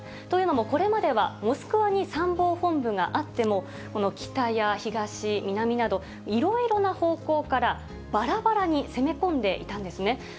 というのも、これまではモスクワに参謀本部があっても、この北や東、南など、いろいろな方向からばらばらに攻め込んでいたんですね。